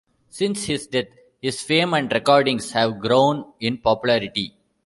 Since his death, his fame and recordings have grown in popularity.